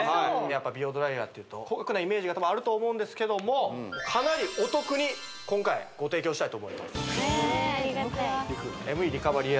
やっぱり美容ドライヤーというと高額なイメージがあると思いますけどかなりお得に今回ご提供したいと思いますえー